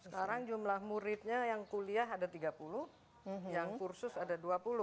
sekarang jumlah muridnya yang kuliah ada tiga puluh yang kursus ada dua puluh